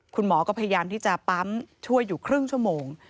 คุณหมอก็พยายามที่จะปั๊มช่วยอยู่ครึ่งชั่วโมง